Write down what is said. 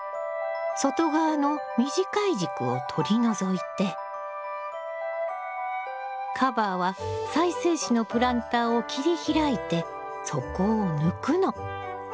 外側の短い軸を取り除いてカバーは再生紙のプランターを切り開いて底を抜くの。